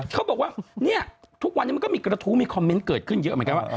เขาบอกว่าเนี่ยทุกวันนี้มันก็มีกระทู้มีคอมเมนต์เกิดขึ้นเยอะเหมือนกันว่า